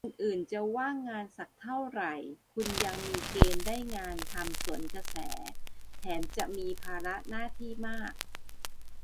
คนอื่นจะว่างงานสักเท่าไหร่คุณยังมีเกณฑ์ได้งานทำสวนกระแส แถมจะมีภาระหน้าที่มาก